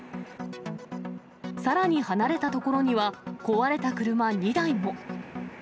さらに離れた所には壊れた車２台も。